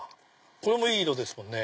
これもいい色ですもんね。